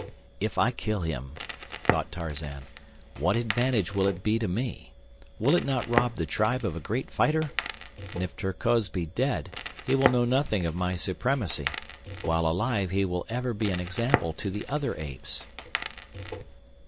"If I kill him," thought Tarzan, "what advantage will it be to me? Will it not rob the tribe of a great fighter? And if Terkoz be dead, he will know nothing of my supremacy, while alive he will ever be an example to the other apes."